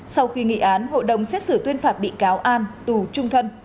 sau khi nghị án hội đồng xét xử tuyên phạt bị cáo an tù trung thân